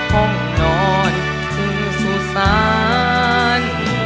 ห้องนอนคือสุสาน